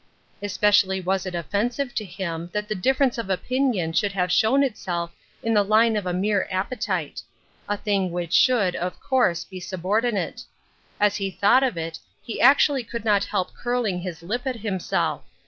Especially was it offensive to him that the differ ence of opinion should have shown itself in the line of a mere appetite ; a thing which should, of course, be subordinate ; as he thought of it, he actually could not help curling his lip at himself.